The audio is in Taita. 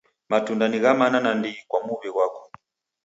Matunda ni gha mana nandighi kwa muwi ghwako.